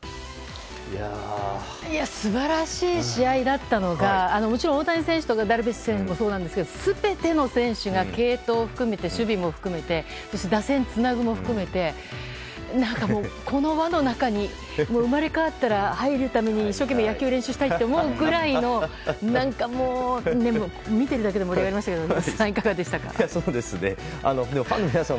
素晴らしい試合だったのがもちろん、大谷選手とダルビッシュ選手もそうなんですけど全ての選手が継投を含めて守備も含めてそして打線をつなぐも含めてこの輪の中に生まれ変わったら入るために一生懸命野球を練習したいと思うくらいの見てるだけで盛り上がりましたけどファンの皆さん